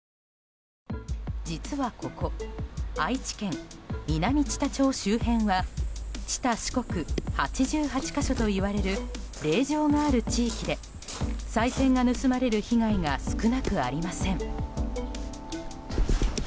実はここ、愛知県南知多町周辺は知多四国八十八ヶ所といわれる霊場がある地域でさい銭が盗まれる被害が少なくありません。